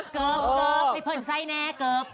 เกิบไปเผินไส้แนกเกิบ